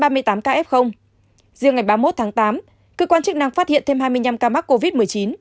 riêng ngày ba mươi một tháng tám cơ quan chức năng phát hiện thêm hai mươi năm ca mắc covid một mươi chín